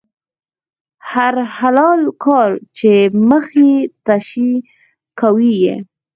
هر حلال کار چې مخې ته شي، کوي یې.